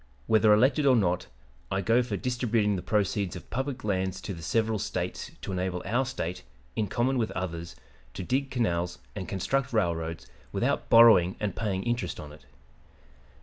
Whether elected or not, I go for distributing the proceeds of public lands to the several States to enable our State, in common with others, to dig canals and construct railroads without borrowing and paying interest on it.